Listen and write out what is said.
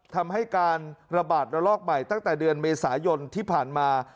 ทำให้การระบาดระลอกใหม่ตั้งแต่เดือนเมษายนที่ผ่านมา